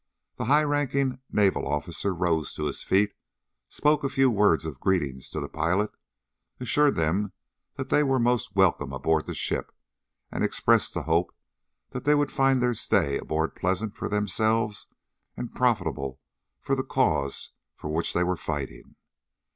The high ranking naval officer rose to his feet, spoke a few words of greeting to the pilots, assured them that they were most welcome aboard the ship, and expressed the hope that they would find their stay aboard pleasant for themselves, and profitable for the cause for which they were fighting.